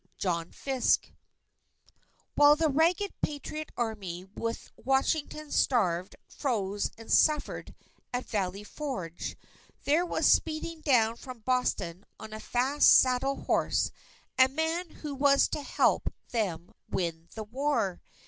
_ JOHN FISKE While the ragged Patriot Army with Washington starved, froze, and suffered at Valley Forge, there was speeding down from Boston on a fast saddle horse, a man who was to help them win the war.